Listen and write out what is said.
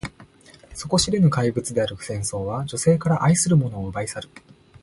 底知れぬ怪物である戦争は、女性から愛する者を奪い去る。